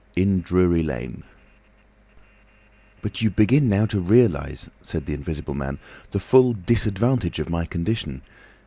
IN DRURY LANE "But you begin now to realise," said the Invisible Man, "the full disadvantage of my condition.